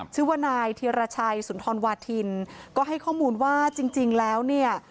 ชื่อว่านายธีรชัยสุนทรวาทินก็ให้ข้อมูลว่าจริงจริงแล้วเนี่ย